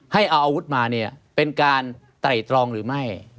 ให้เอาอาวุธมาเป็นการไตรตรองหรือไม่